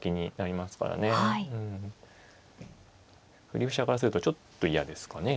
振り飛車からするとちょっと嫌ですかね。